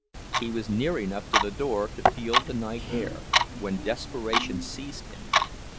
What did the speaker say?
He was near enough to the door to feel the night air, when desperation seized him.